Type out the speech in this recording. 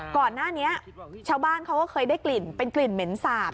ก่อนหน้านี้ชาวบ้านเขาก็เคยได้กลิ่นเป็นกลิ่นเหม็นสาบ